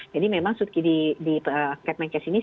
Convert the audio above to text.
jadi memang sudki di kpnk ini